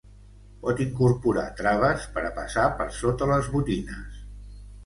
Pot incorporar traves per a passar per sota les botines.